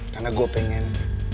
karena gue pengen